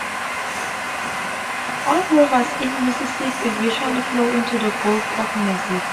All rivers in Mississippi eventually flow into the Gulf of Mexico.